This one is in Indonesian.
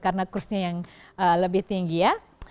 karena kursnya yang lebih tinggi ya